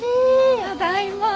ただいま。